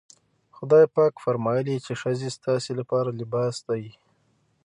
خدای پاک فرمايي چې ښځې ستاسې لپاره لباس دي.